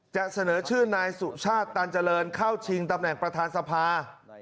จะเสนอชื่อนายสุชาติตันเจริญเข้าชิงตำแหน่งประธานสภา